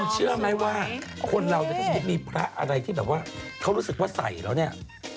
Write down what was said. เชื่อมั้ยว่ามีพระอะไรที่แบบเขารู้สึกว่าใส่แล้วเนี่ย